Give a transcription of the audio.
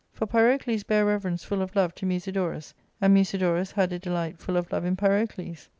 For Pyrocles bare rever ence full of love to Musidorus, and Musidorus had a delight full of love in Pyrocles.